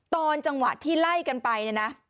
ตอนจังหวะที่ไล่กันไป